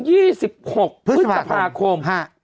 วันที่๑๖พฤษภาคม